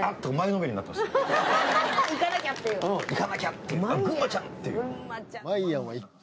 行かなきゃっていう。